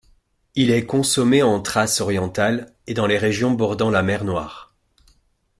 Il est consommé en Thrace orientale et dans les régions bordant la mer Noire.